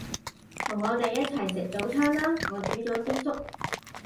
同我哋一齊食早餐啦，我煮咗啲粥